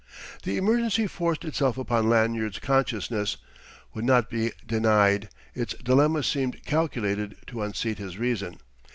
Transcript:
The emergency forced itself upon Lanyard's consciousness, would not be denied. Its dilemma seemed calculated to unseat his reason.